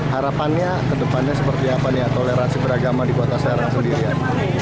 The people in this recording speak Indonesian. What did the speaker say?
harapannya ke depannya seperti apa nih ya toleransi beragama di kota serang sendirian